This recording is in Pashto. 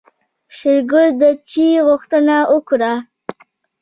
شېرګل د چاي غوښتنه وکړه.